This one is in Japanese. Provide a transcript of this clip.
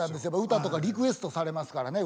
歌とかリクエストされますからね。